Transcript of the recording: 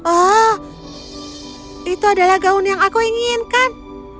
oh itu adalah gaun yang aku inginkan